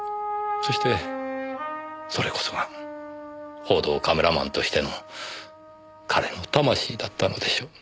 そしてそれこそが報道カメラマンとしての彼の魂だったのでしょう。